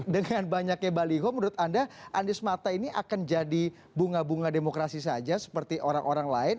dengan banyaknya baliho menurut anda anies mata ini akan jadi bunga bunga demokrasi saja seperti orang orang lain